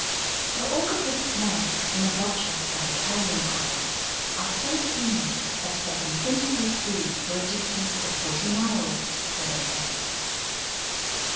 The organs of smell in a Vulture and a Carrion Crow are so keen that they can scent their food for a distance of forty miles, so they say.